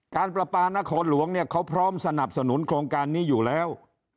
ประปานครหลวงเนี่ยเขาพร้อมสนับสนุนโครงการนี้อยู่แล้ว